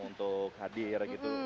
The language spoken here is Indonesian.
untuk hadir gitu